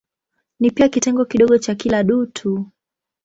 Ni pia kitengo kidogo cha kila dutu.